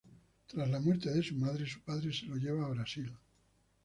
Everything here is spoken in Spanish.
Tras la muerte de su madre, su padre se lo lleva a Brasil.